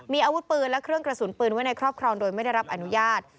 มีอาวุธปืนและเครื่องกระสุนปืนไว้ในครอบครองโดยไม่ได้รับอนุญาต